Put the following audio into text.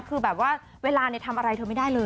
คือแบบว่าเวลาทำอะไรเธอไม่ได้เลย